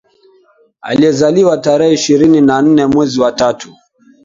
Aliyezaliwa tarehe ishirini na nne mwezi wa tatu